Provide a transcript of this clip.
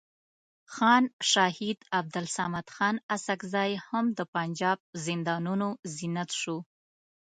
خان شهید عبدالصمد خان اڅکزی هم د پنجاب زندانونو زینت شو.